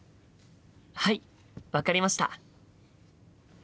はい分かりました！